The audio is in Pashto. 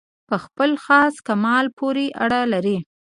په خپل خاص کمال پوري اړه لري.